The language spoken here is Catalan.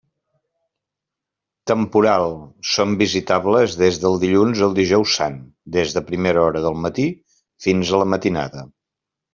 Temporal: són visitables des del dilluns al Dijous Sant, des de primera hora del matí fins a la matinada.